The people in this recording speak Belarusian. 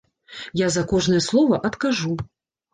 Я за кожнае слова адкажу.